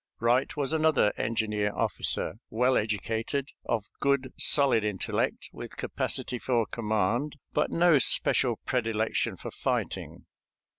Wright was another engineer officer, well educated, of good, solid intellect, with capacity for command, but no special predilection for fighting.